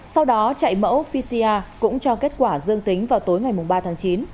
sau đó chạy mẫu pcr cũng cho kết quả dương tính vào tối ngày ba tháng chín